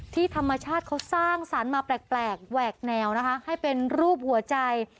ธรรมชาติเขาสร้างสรรค์มาแปลกแหวกแนวนะคะให้เป็นรูปหัวใจ